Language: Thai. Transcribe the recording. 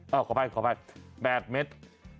เอ้าขอไป๘เมตร